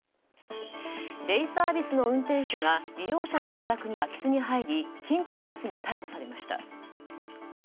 デイサービスの運転手が利用者の自宅に空き巣に入り金庫を盗み逮捕されました。